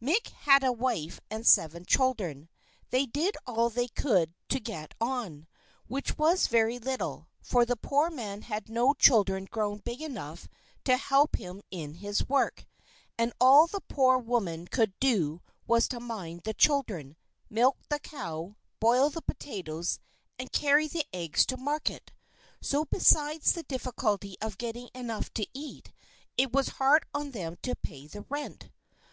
Mick had a wife and seven children. They did all that they could to get on, which was very little, for the poor man had no child grown big enough to help him in his work; and all that the poor woman could do was to mind the children, milk the cow, boil the potatoes, and carry the eggs to market. So besides the difficulty of getting enough to eat, it was hard on them to pay the rent.